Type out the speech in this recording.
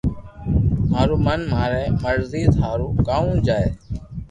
مارو من ماري مرزي ٿارو ڪاو جي